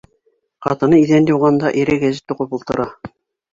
Ҡатыны иҙән йыуғанда ире гәзит уҡып ултыра.